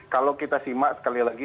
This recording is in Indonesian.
kalau kita simak sekali lagi